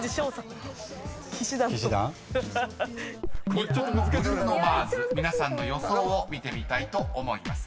［日本のブルーノ・マーズ皆さんの予想を見てみたいと思います］